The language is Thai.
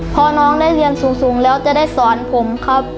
พอน้องได้เรียนสูงแล้วจะได้สอนผมครับ